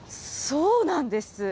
そうなんです。